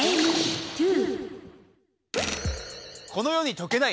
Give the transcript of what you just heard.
このよに解けない